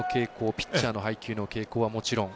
ピッチャーの配球はもちろん。